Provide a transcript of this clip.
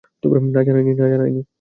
না, জানাইনি।